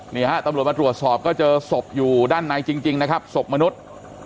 นี่ฮะตำรวจมาตรวจสอบก็เจอศพอยู่ด้านในจริงนะครับศพมนุษย์